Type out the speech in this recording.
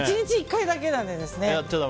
１日１回だけなんですね。